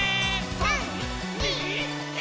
３、２、１。